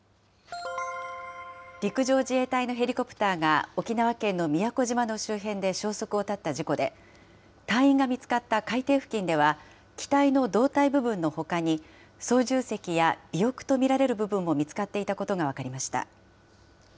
陸上自衛隊のヘリコプターが沖縄県の宮古島の周辺で消息を絶った事故で、隊員が見つかった海底付近では、機体の胴体部分のほかに、操縦席や尾翼と見られる部分も見つかっていたことが分かりました。